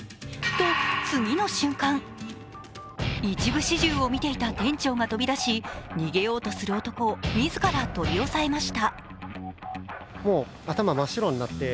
と次の瞬間、一部始終を見ていた店長が飛び出し、逃げようとする男を自ら取り押さえました。